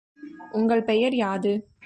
உங்கள் பெயர் யாது?